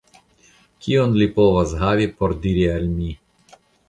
Kion ili povas havi por diri al mi?